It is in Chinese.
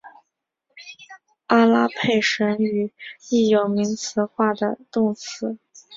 阿拉佩什语亦有名词化的动词。